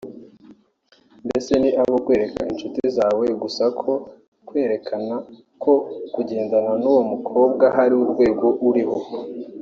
mbese ni abo kwereka inshuti zawe gusa no kwerekana ko kugendana n’uwo mukobwa hari urwego uriho